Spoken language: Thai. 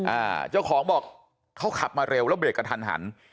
อ่าเจ้าของบอกเขาขับมาเร็วแล้วเบรกกระทันหัน